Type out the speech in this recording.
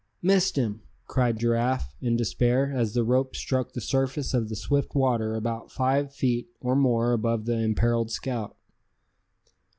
"Missed him!" cried Giraffe, in despair, as the rope struck the surface of the swift water about five feet or more above the imperiled scout.